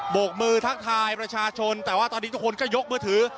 กมือทักทายประชาชนแต่ว่าตอนนี้ทุกคนก็ยกมือถือ